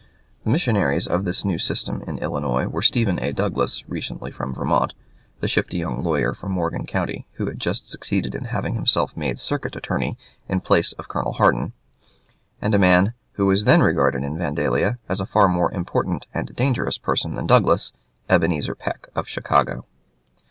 The missionaries of this new system in Illinois were Stephen A. Douglas, recently from Vermont, the shifty young lawyer from Morgan County, who had just succeeded in having himself made circuit attorney in place of Colonel Hardin, and a man who was then regarded in Vandalia as a far more important and dangerous person than Douglas, Ebenezer Peck, of Chicago.